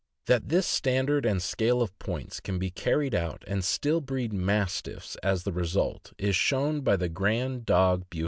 That this standard and scale of points can be carried out, and still breed Mastiffs as the result, is shown by the grand dog Beau THE MASTIFF.